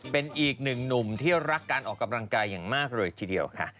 เป็นอีกหนึ่งหนุ่มที่รักการออกกำลังกายอย่างมากเลยทีเดียวค่ะ